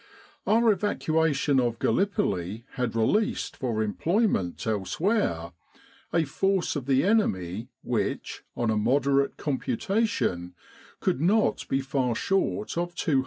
Our evacuation of Gallipoli had released for employment elsewhere a force of the enemy which, on a moderate computation, could not be far short of 250,000.